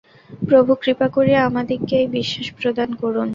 প্রভু কৃপা করিয়া আমাদিগকে এই বিশ্বাস প্রদান করুন।